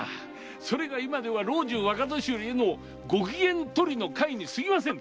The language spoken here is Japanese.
それが今では老中若年寄へのご機嫌取りの会に過ぎませぬ。